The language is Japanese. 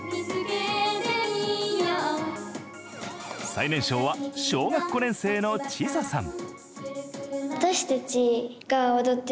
最年少は小学５年生のｃｈｉｓａさん。